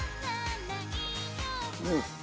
うん。